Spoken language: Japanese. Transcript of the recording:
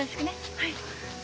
はい。